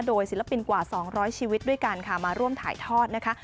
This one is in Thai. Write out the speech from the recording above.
โดยศิลปินกว่า๒๐๐ชีวิตด้วยกันค่ะมาร่วมถ่ายทอดนะคะ